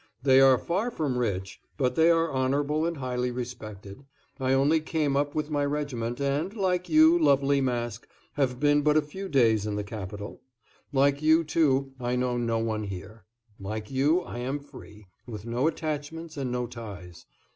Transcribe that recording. They are far from rich, but they are honorable and highly respected. I only came up with my regiment, and, like you, lovely Mask, have been but a few days in the capital; like you, too, I know no one here; like you, I am free, with no attachments and no ties.